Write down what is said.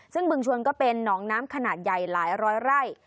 ซึ่งบึงชวนก็เป็นหนองน้ำขนาดใหญ่หลายร้อยไร่